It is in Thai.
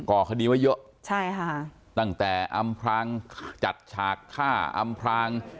ก่อคดีไว้เยอะใช่ค่ะตั้งแต่อำพรางจัดฉากฆ่าอำพราง